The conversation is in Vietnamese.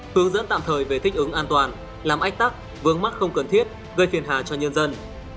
hướng dẫn tạm thời về thích ứng an toàn làm ách tắc vướng mắc không cần thiết gây phiền hà cho nhân dân